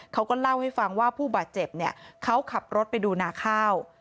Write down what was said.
เขาก็เล่าให้ฟังว่าผู้บาดเจ็บเนี่ยเขาขับรถไปดูนาข้าว